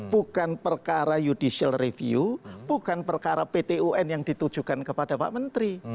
bukan perkara judicial review bukan perkara pt un yang ditujukan kepada pak menteri